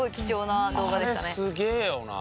あれすげえよな。